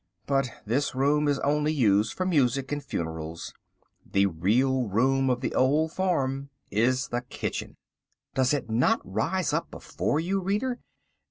But this room is only used for music and funerals. The real room of the old farm is the kitchen. Does it not rise up before you, reader?